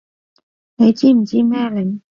你知唔知咩嚟？